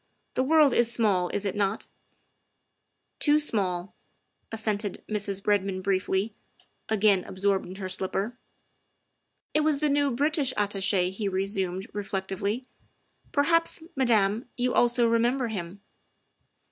The world is small, is it not ?''" Too small," assented Mrs. Redmond briefly, again absorbed in her slipper. '' It was the new British Attache, '' he resumed reflect ively. " Perhaps, Madame, you also remember him."